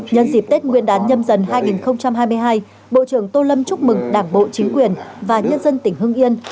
nhân dịp tết nguyên đán nhâm dần hai nghìn hai mươi hai bộ trưởng tô lâm chúc mừng đảng bộ chính quyền và nhân dân tỉnh hưng yên